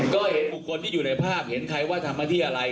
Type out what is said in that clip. ก็เห็นบุคคลที่อยู่ในภาพเห็นใครว่าทำมาที่อะไร